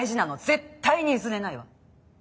絶対に譲れないわ。